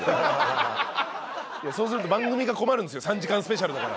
そうすると番組が困るんですよ。